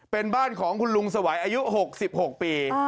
เป็นบ้านของคุณลุงสวัยอายุ๖๖ปี